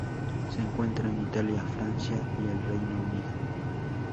Se encuentra en Italia, Francia y el Reino Unido.